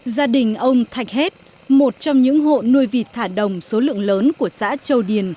gia đình ông thạch hết một trong những hộ nuôi vịt thả đồng số lượng lớn của xã châu điền